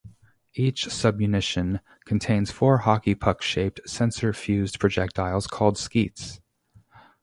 Each submunition contains four hockey-puck-shaped sensor-fused projectiles called Skeets.